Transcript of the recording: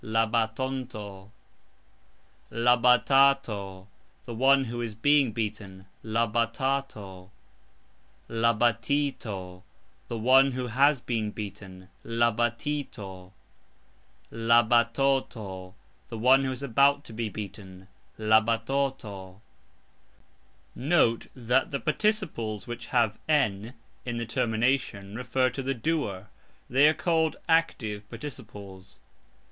La batato ....... The one who is being beaten. La batito ....... The one who has been beaten. La batoto ....... The one who is about to be beaten. Note that the participles which have "n" in the termination refer to the "doer"; they are called "active" participles.